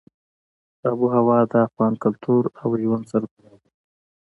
آب وهوا د افغان کلتور او ژوند سره تړاو لري.